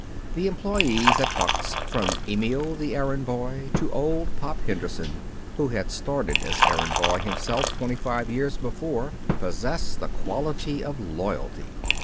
The employees at Buck's from Emil, the errand boy, to old Pop Henderson, who had started as errand boy himself twenty five years before possessed the quality of loyalty.